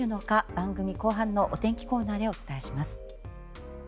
番組後半のお天気コーナーでお伝えします。